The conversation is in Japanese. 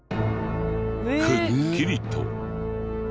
くっきりと「１７」。